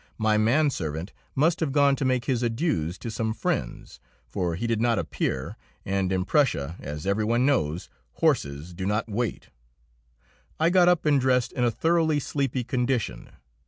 My man servant must have gone to make his adieus to some friends, for he did not appear, and in Prussia, as every one knows, horses do not wait. I got up and dressed in a thoroughly sleepy condition.